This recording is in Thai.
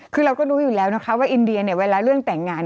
คือเราก็รู้อยู่แล้วนะคะว่าอินเดียเนี่ยเวลาเรื่องแต่งงาน